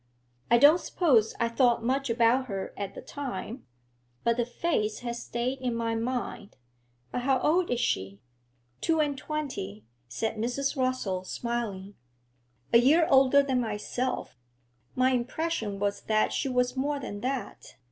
I don't suppose I thought much about her at the time, but the face has stayed in my mind. But how old is she?' 'Two and twenty,' said Mrs. Rossall, smiling. 'A year older than myself; my impression was that she was more than that.